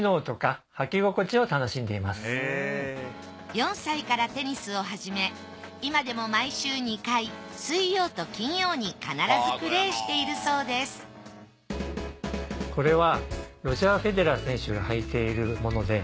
４歳からテニスを始め今でも毎週２回水曜と金曜に必ずプレーしているそうですこれは。